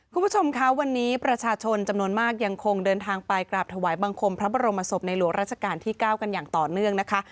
คุณผู้ชมคะวันนี้ประชาชนจำนวนมากยังคงเดินทางไปกราบถวายบังคมพระบรมศพในหลวงราชการที่๙กันอย่างต่อเนื่องนะคะ